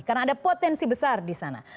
karena ada potensi besar di sana